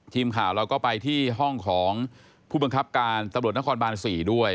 ทีมข่าวเราก็ไปที่ห้องของผู้บังคับการตำรวจนครบาน๔ด้วย